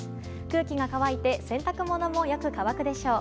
空気が乾いて洗濯物もよく乾くでしょう。